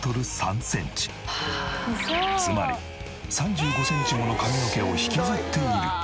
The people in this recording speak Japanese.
つまり３５センチもの髪の毛を引きずっている。